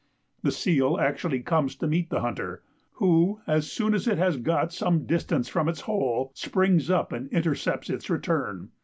The seal actually comes to meet the hunter, who, as soon as it has got some distance from its hole, springs up and intercepts its return.